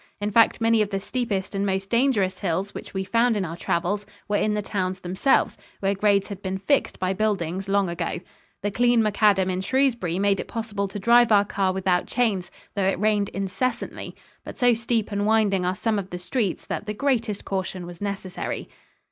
In fact, many of the steepest and most dangerous hills which we found in our travels were in the towns themselves, where grades had been fixed by buildings long ago. The clean macadam in Shrewsbury made it possible to drive our car without chains, though it rained incessantly, but so steep and winding are some of the streets that the greatest caution was necessary.